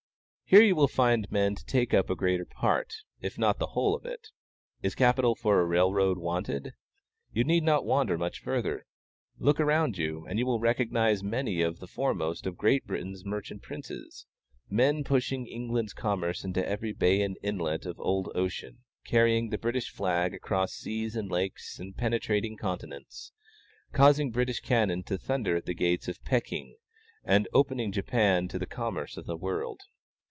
Here you will find men to take up the greater part, if not the whole of it. Is capital for a railroad wanted? You need not wander much further. Look around you, and you will recognize many of the foremost of Great Britain's merchant princes; men pushing England's commerce into every bay and inlet of old ocean, carrying the British flag across seas and lakes, and penetrating continents; causing British cannon to thunder at the gates of Pekin, and opening Japan to the commerce of the world.